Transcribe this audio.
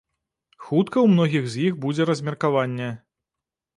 Хутка ў многіх з іх будзе размеркаванне.